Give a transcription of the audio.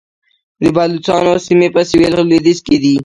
د بلوڅانو سیمې په سویل لویدیځ کې دي